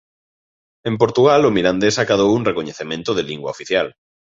En Portugal o Mirandés acadou un recoñecemento de lingua oficial.